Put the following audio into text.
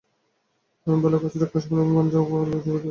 বালুকাচরের কাশবন এবং বনঝাউ জলে ডুবিয়া গেল।